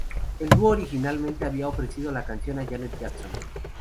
El dúo originalmente había ofrecido la canción a Janet Jackson.